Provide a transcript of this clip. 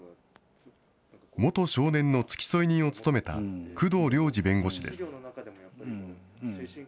元少年の付添人を務めた工藤涼二弁護士です。